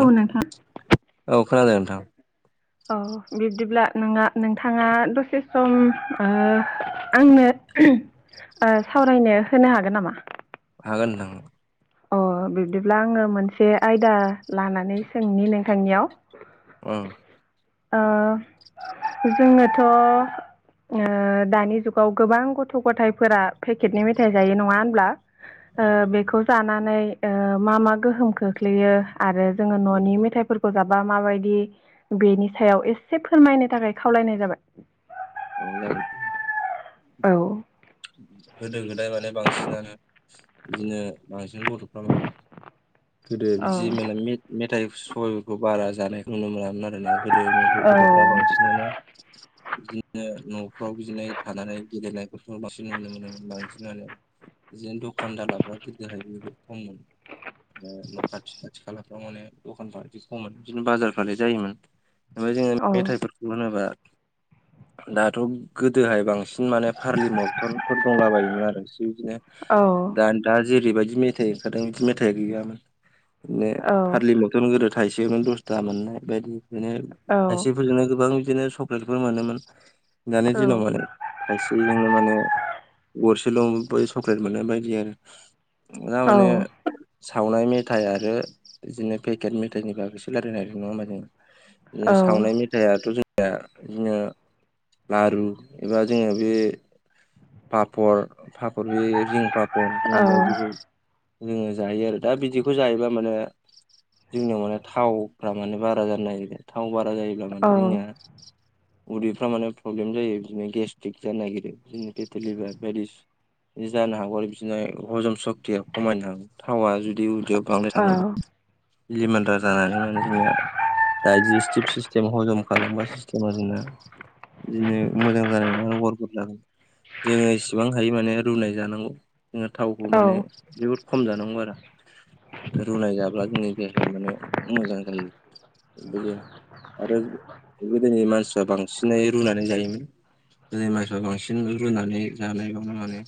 औ नोंथां औ खोनादों नोंथां। अ बिब्दिब्ला नोंङा नोंथाङा दसे सम ओ आंनो ओ सावरायनो होनो हागोन नामा? हागोन नोंथां। अ बिब्दिब्ला आङो मोनसे आयदा लानानै सोंनि नोंथांनियाव। ओम ओ जोंनोथ' ओ दानि जुगाव गोबां गथ' गथायफोरा पेकेटनि मेथाइ जायो नङा होनब्ला? औ ओ बेखौ जानानै मा मा गोहोम खोख्लैयो आरो जोङो न'नि मेथाइफोरखौ जाबा मा माबायदि बेनि सायाव एसे फोरमायनो थाखाय खावलायनाय जाबाय? औ जागोन दे। औ गोदो-गोदाय माने बांसिन आरो बिदिनो बांसिन गथ'फ्रा मा होनगोन गोदो बिदि मेला औ मेथाइ सबाइफोरखौ बारा जानायखौ नुनो मोनामोन आरोना गोदो गथ'फ्रा बांसिनानो बि न'फ्राव बिदिनो थानानै गेलेनायफोरखौ बांसिन नुनो मोनोमोन बांसिनानो। बिदिनो द'खान दालाफ्रा गोदोहाय बेफोर खममोन न' खाथि खाथि खालाफ्राव माने दखानफ्रादि खममोन बिदिनो बाजारफ्राय जायोमोन। ओमफ्राय जोङो मेथाइफोरखौ होनोब्ला। दाथ' गोदोहाय बांसिन माने फारलि मक्टनफोर दंला बायोमोन आरो बिदिनो औ दा दा जेरैबायदि मेथाइ ओंखारदों बिदि मेथाइ गैयामोन। बिनो फार्लिमेथ'नो गोदो थायसै दसथा मोननाय बायदि। बिदिनो थाइसेफोरजोंनो गोबां बिदिनो चक्लेटफोर मोनोमोन। दानि दिनाव माने थाइसे बेजोंनो माने गरसेल' बे सक्लेट मोननाय बायदि आरो। ना माने। सावनाय मेथाइ आरो बिदिनो पेकेट मेथाइनि बागैसो रायजलायनो नङा होनबा जोङो। बिनो सावनाय मेथाइआथ' जोंनिया बिदिनो लारु एबा जोङो बे पापर पापर बे रिं पापर रिं बायदिखौ जोङो जायो आरो दा बिदिखौ जायोबा माने जोंनियाव माने थावफ्रा माने बारा जानो नायगिरो थाव बारा जायोब्ला माने जोंनिया। उदैफ्रा माने प्रब्लेम जायो बिदिनो गेस्ट्रिक जानो नागिरो बिदिनो पेटलिभार बायदिसिना जानो हागौ आरो बिदिनो हजम सक्तिया खमायनो हागौ थावा जुदि उदियाव बांद्राय थाङोब्ला जिमानदार जानानै माने जोंनिया डाइजेस्टिभ सिस्टेम हजम खालामबा सिस्टेमा जोंना बिदिनो मोजां जानाय नङा। जोङो इसेबां हायो माने रुनाय जानांगौ जोङो थावखौ माने जोबोद खम जानांगौ आरो। रुनाय जाब्ला जोंनि देहाया माने मोजां जायो। गैया आरो गोदोनि मानसिफ्रा बांसिनै रुनानै जायोमोन। [unintelligible] मानसिफ्रा बांसिन रुनानै जानाय बा मावनानै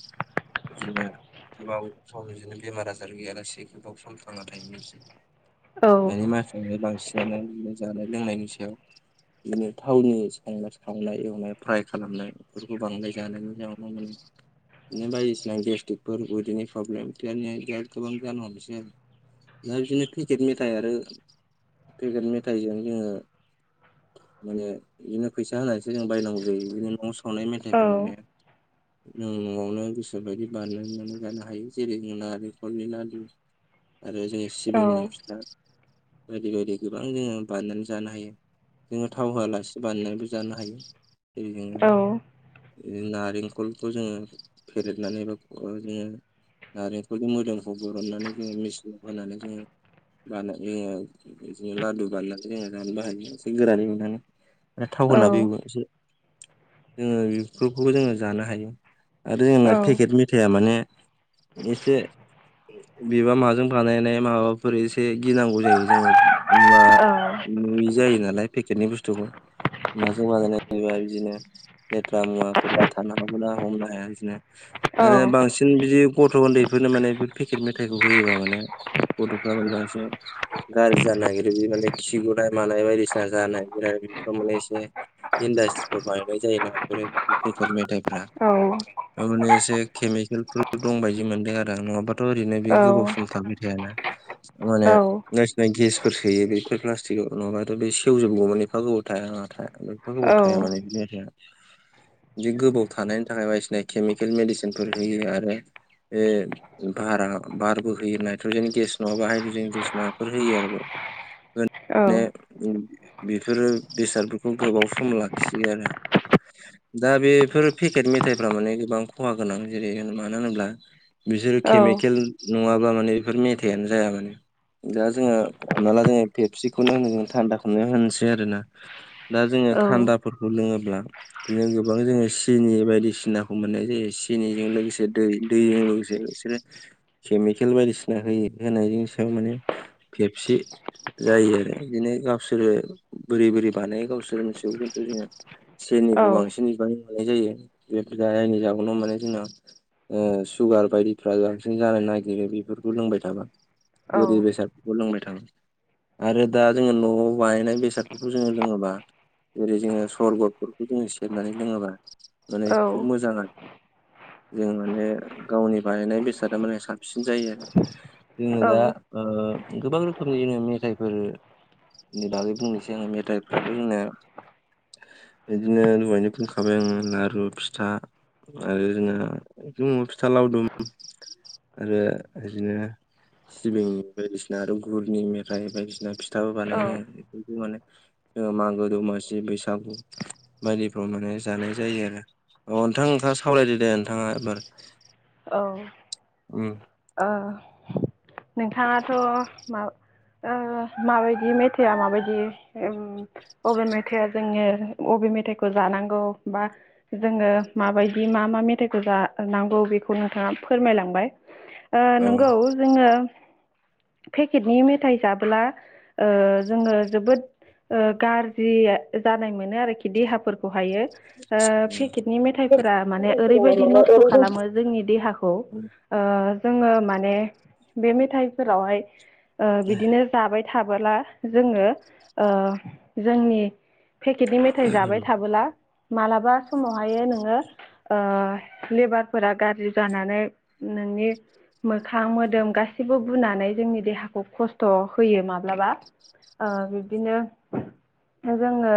बिदिनो आरो। गोबाव सम बिदिनो बेमार आजार गैयालासे गोबाव सम थांना थायोमोन। दानि मानसिफ्राय बांसिन जानो बिनो जानाय लोंनायनि सायाव बिदिनो थावनि। संनाय खावनाय एवनाय फ्राय खालामनाय बेफोरखौ बांद्राय जानायनि जाउनाव माने। बिनो बायदिसिना गेस्टिकफोर बिदिनो उदैनि प्रब्लेम बिराद गोबां जानो हमदोंसै आरो। दा बिदिनो पेकेट मेथाइ आरो पेकेट मेथाइजों जोङो। माने बिदिनो फैसा होनानैसो जों बायनांगौ जायो बिदिनो न'आव सावनाय मेथाइफ्रा माने जों न'आवनो गोसोबायदि बानायनानै जानो हायो जेरै जों नालेंखरनि लारु [inaudible] आरो जों सिबिंनि फिथा बायदि बायदि गोबां जोङो बानायनानै जानो हायो जोङो थाव होआलासिनो। बानायनानैबो जानो हायो [unintelligible] नारेंखलखौ जोङो फेरेदनानै [unintelligible] नारेंखलनि मोदोमखौ बरुननानै जोङो मेचिनाव होनानै जोङो बानाय जोङो बिदिनो लादु बानायनानै जोङो जानोबो हायो एरै गोरानै एवनानै आरो थाव होनाबो एवो जोङो बेफोरखौबो जोङो जानो हायो। आरो जोंना पेकेट मेथाइआ माने एसे बिबा माजों बानायनाय माबाफोर एसे गिनांगौ जायो जोङो। होनबा नुयि जायो नालाय पेकेटनि बुस्थुखौ [inaudible] माजों बानायनाय एबा बिदिनो लेथ्रा मुवाफोरबो थानो हागौ ना हमनो हाया बिदिनो। ओ बांसिन बिदि गथ' उन्दैफोरनो माने बे पेकेट मेथाइखौ होयोबा माने गथ'फ्रा मानेबा एसे गाज्रि जानो नागिरो बि माने खिगुनाय मानाय बायदिसिना जानाय माने एसे इन्डासट्रिफ्राव बानायनाय जायोना बेफोर पेकेट मेथाइफ्रा। माने एसे केमिकेलफोर दंबायायदि मोनदों आरो नङाबाथ' ओरैनो बे गोबाव सम थाबाय थाया। माने बायदिसिना गेसफोर सोयो बेफोर प्लास्टिकआव नङाबाथ' बे सेवजोबगौमोन एफा गोबाव थाया थायाथ' गोबाव थाया माने बि थाया। बिदि गोबाव थानायनि थाखाय बायदिसिना केमिकेल मेडिसिनफोर होयो आरो। बे भारा भारबो होयो नाइट्रजेन गेस नङाबा हाइद्रजेन गेस माबाफोर होयो आरो बेयाव। गोन [unintelligible] बेफोरो बेसादफोरखौ गोबाव सम लाखियो आरो। दा बेफोर फेकेट मेथाइफोरा माने गोबां ख'हा गोनां जेरै मानो होनोब्ला बिसोरो केमिकेल नङाबा माने बेफोर मेथाइआनो जाया। दा जोङो हमना ला जोङो फेपसिखौनो होन जो थान्दाखौनो होनोसै आरो ना। [inaudible] दा जोङो थान्दाफोरखौ लोङोब्ला बिदिनो गोबां जोङो सिनि बायदिसिनाखौ मोननाय जायो। सिनिजों लोगोसे दै दैजों लोगोसे बिसोरो केमिकेल बायदिसिना होयो होनायजों माने फेबसि जायो आरो बिदिनो गावसोरो बोरै बोरै बानायो गावसोर मिथिसिगौ खिन्थु जोङो सेरनिखौ बांसिन बिबां जायो बेफोर जानायनि जाहोनाव माने जोंना ओ सुगार बायदिफ्रा बांसिन जानो नागिरो बेफोरखौ लोंबाय थाबा। गोरि बेसादफोरखौ लोंबाय थागोन आरो दा जोङो न'आव बानायनाय बेसाद फोरखौ जोङो लोङोबा जेरै जोङो सरगतफोरखौ जोङो सेबनानै लोङोबा माने खुब मोजां आरो। जों माने गावनि बानायनाय बेसादा माने साबसिन जायो आरो जोङो दा ओ गोबां रोखोमनि जोङो मेथाइफोरनि बागै बुंनोसै। जों मेथाइफ्राथ' जोंना बिदिनो दहायनो बुंखाबाय आङो लारु, फिथा आरो जोंहा दङ' फिथा लावदुम। आरो बिदिनो सिबिंनि बायदिसिना आरो गुरनि मेथाइ बायदिसिना फि फोथाबो औ बानायो जोङो बेफोरदि माने जोङो मागो दमासि बैसागु बायदिफ्राव माने जानाय जायो आरो अ नोंथां नोंथाङा सावरायदो दे नोंथाङा एबार औ उम ओ नोंथाङाथ' मा ओ माबायदि मेथाइआ माबायदि ओम अबे मेथाइआ जोङो अ बे मेथाइखौ जानांगौ बा जोङो माबायदि मा मा मेथाइखौ जानांगौ बेखौनो नोंथाङा फोरमायलांबाय ओ औ उम। नंगौ जोङो पेकेटनि मेथाइ जाब्ला ओ जोङो जोबोद ओ गारजि जानाय मोनो आरोखि देहाफोरखौ हायो ओ पेकेटनि मेथाइफोरा माने ओरैबायदि नस्थ' खालामो जोंनि देहाखौ ओ जोङो माने बे मेथाइफोरावहाय बिदिनो जाबाय था थाबोला जोङो ओ जोंनि पेकेटनि मेथाइ जाबाय थाबोला मालाबा समावहायो नोङो ओ लेबारफोरा गाज्रि जानानै नोंनि मोखां मोदोम गासैबो बुनानै जोंनि देहाखौ खस्थ' होयो माब्लाबा ओ बिब्दिनो जोङो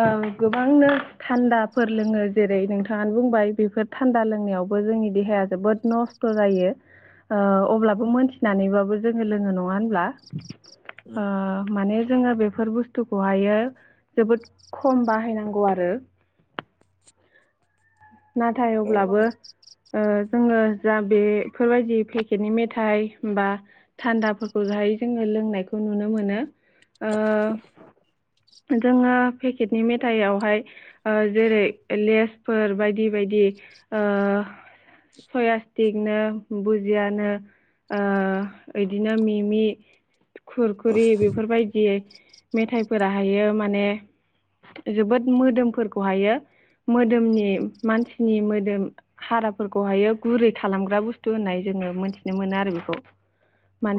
ओ गोबांनो थान्दाफोर लोङो जेरै नोंथाङानो बुंबाय बेफोर थान्दा लोंनायावबो जोंनि देहाया जोबोद नस्थ' जायो ओ अब्लाबो मोनथिनानैबाबो जोङो लोङो नङा होनब्ला ओ माने जोङो बेफोर बुस्थुखौ हायो जोबोद खम बाहायनांगौ आरो नाथाय औ अब्लाबो ओ जोङो जा बेफोरबायदि पेकेटनि मेथाइ बा थान्दाफोरखौ जाहाय जोङो लोंनायखौ नुनो मोनो ओ जोङो पेकेटनि मेथाइयावहाय ओ जेरै लेसफोर बायदि बायदि ओ सया तिगनो बुजियानो ओ इदिनो मिमि खुरखुरि बेफोरबायदि मेथाइफोराहायो माने जोबोद मोदोमफोरखौहायो मोदोमनि मानसिनि मोदोम हाराफोरखौहायो गुरै बुनाय जोन मिथिनो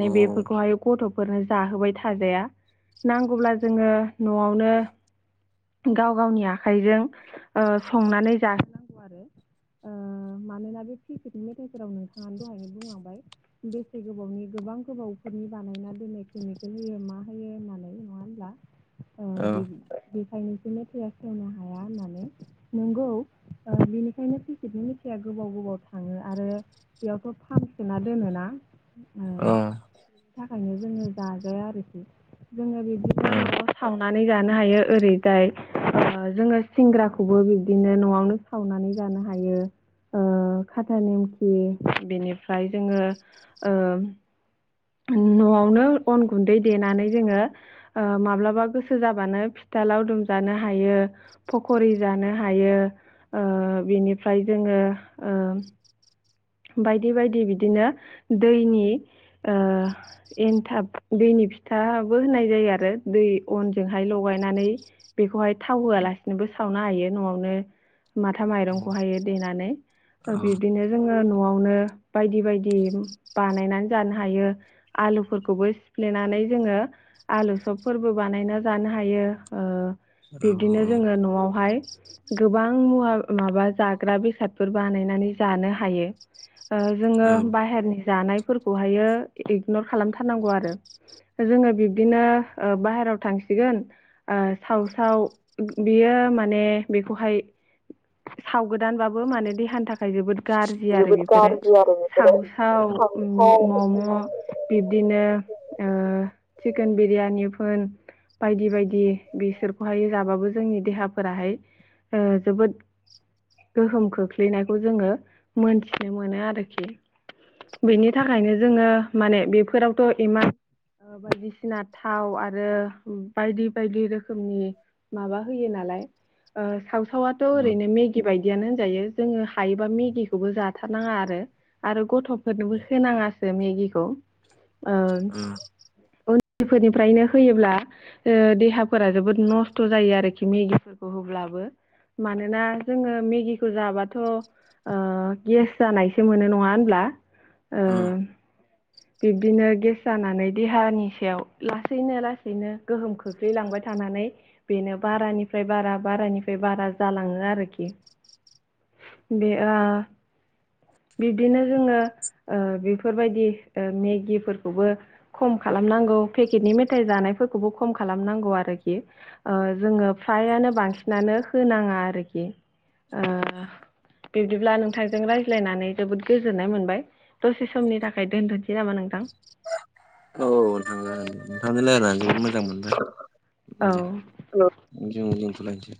औ गथ नो जाहोबाय थाजाया नांगौब्ला जोङो न'आवनो गाव गावनि आखाइजों संनानै जाहोनांगौ आरो आ मानोना बे मेथाइजाव नोंथाङानो दहाय बुंलांबाय बेसे गोबावनि गोबां गोबावफोरनि बानायना दोननाय होयो मा हो होननानै नङा होनब्ला औ फायनजों मेथया सेवनो हाया होननानै नोंगौ बेनिखायनो फ्रिकेटनि मिेथाइआ गोबाव गोबाव थ थाङो आरो बेयावथ' फाम सोना दोनोना अ बिनि थाखायनो जोङो जाजाया आरोखि जोङो बिदिनो स नानै जानो हायो ओरैजाय जोङो सिंग्राखौबो बिब्दिनो न'आवनो सावनानै जानो हायो ओ [inaudible] खाथा नेमखि बेनिफ्राय जोङो न'आवनो अन गुन्दै देनानै जोङो माब्लाबा गोसो जाबानो फिथा फिथा लावदुम जानो हायो फखरि जानो हायो बिनिफ्राय जों ओ बायदि बायदि बिदिनो दैनि एन्थाब दैनि नि फिथाबो होननाय जायो आरो दै अनजोंहाय लगायनानै बेखौहाय थाव होआलासिनो बो सावनो हायो माथा माइरंखौ देनानै औ हाय ओ न'आवनो बायदि बायदि बानायनानै जानो हायो आलुफोरखौबो सिफ्ले नानै जोङो आलु सबफोरबो बानायना जानो हायो। ओ बिदिनो जोङो न'आवहाय गोबां मुवा माबा जाग्रा बेसादफोर बानायनानै जानो हायो। ओ औ जोङो बाहेरनि जानायफोरखौहायो इगनर खालामथारनांगौ आरो। जोङो बिब्दिनो ओ बाहेरायाव थांसिगोन ओ सावसाव बियो ओ माने बेखौहाय साव गोदानबाबो माने देहानि थाखाय जोबोद गारजि आरो जोबोद बिफोरो गाज्रि आरो साव बेफोरो साव मि खांख्राइ मम' बिब्दिनो आ चिकोन बिरियानि फोन बायदि बायदि बिसोरखौहाय जाबाबो जोंनि देहाफोराहाय ओ जोबोद गोहोम खोख्लैनायखौ जोङो मोनथिनो मोनो आरोखि। बेनि थाखायनो जोङो माने बेफोरावथ' इमान ओ बायदिसिना थाव आरो बायदि बायदि रोखोमनि माबा होयो नालाय ओ सावसावथ' ओरैनो मेगि बायदियानो होनजायो जोङो हायोबा मेगि खौबो जाथारनाङा आरो आरो गथ'फोरनोबो होनाङासो मेगिखौ। ओ उम बिफोरनिफ्रायनो होयोब्ला ओ देहाफोरा जोबोद नस्थ' जायो आरोखि मेगिफोरखौ होब्ला बाबो मानोना जोङो मेगिखौ जाबाथ' ओ गेस जानायसो मोनो नङा होनब्ला? ओ बिब्दिनो गेस जानानै देहानि सायाव लासैनो लासैनो गोहोम खोख्लैलांबाय थानानै बेनो बारानिफ्राय बारा बारफ्राय बारा जालाङो आरोखि। बे आ बिब्दिनो जोङो ओ बेफोरबायदि ओ मेगिफोरखौबो खम खा खालाम नांगौ पेकेटनि मेथाइ जानायफोरखौबो खम खालामनांगौ आरो खि। ओ जोङो फ्रायानो बांसिनानो होनाङा आरोखि। ओ बिब्दिब्ला नोंथांजों रायज्लायनानै जोबोद गोजोननाय मोनबाय। दसे समनि थाखाय दोनथ'नसै नामा नोंथां? [inaudible] औ नोंथां जागोन दे। नोंथांजों लायरायनानै जोबोद मोजां मोनबाय। उम दे। औ [unintelligible] दोनथ' लायनसै।